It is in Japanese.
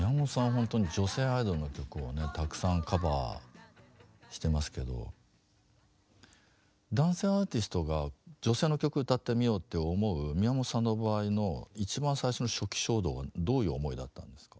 ほんとに女性アイドルの曲をねたくさんカバーしてますけど男性アーティストが女性の曲歌ってみようって思う宮本さんの場合の一番最初の初期衝動はどういう思いだったんですか？